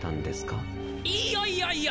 いやいやいや！